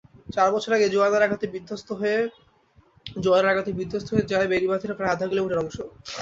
চার বছর আগে জোয়ারের আঘাতে বিধ্বস্ত হয়ে যায় বেড়িবাঁধের প্রায় আধা কিলোমিটার অংশ।